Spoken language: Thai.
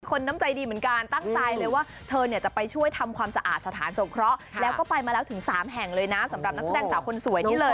น้ำใจดีเหมือนกันตั้งใจเลยว่าเธอเนี่ยจะไปช่วยทำความสะอาดสถานสงเคราะห์แล้วก็ไปมาแล้วถึง๓แห่งเลยนะสำหรับนักแสดงสาวคนสวยนี่เลย